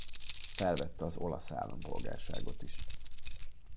Felvette az olasz állampolgárságot is.